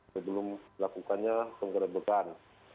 sebelum melakukannya penggerebekan